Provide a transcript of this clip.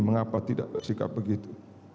mengapa tidak bersikap begitu